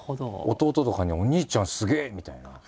弟とかに「お兄ちゃんすげえ」みたいな。